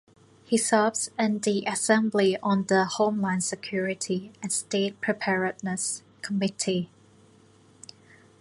He serves in the Assembly on the Homeland Security and State Preparedness Committee.